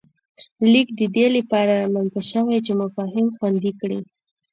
لیک د دې له پاره رامنځته شوی چې مفاهیم خوندي کړي